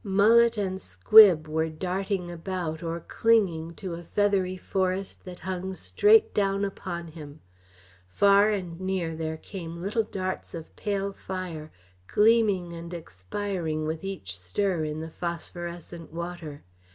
Mullet and squib were darting about or clinging to a feathery forest that hung straight down upon him. Far and near there came little darts of pale fire, gleaming and expiring with each stir in the phosphorescent water.